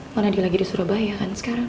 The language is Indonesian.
karena dia lagi di surabaya kan sekarang